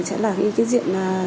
chẳng là cái diện này